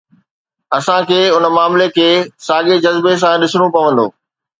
اسان کي ان معاملي کي ساڳي جذبي سان ڏسڻو پوندو.